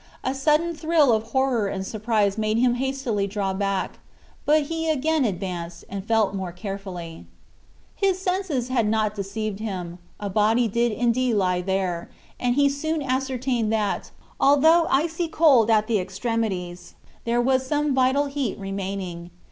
A sudden thrill of horror and surprise made him hastily draw back, but he again advanced and felt more carefully. His senses had not deceived him; a body did indeed lie there; and he soon ascertained that, although icy cold at the extremities, there was some vital heat remaining.